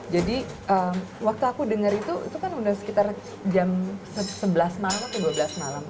jadi waktu aku denger itu itu kan udah sekitar jam sebelas malam atau dua belas malam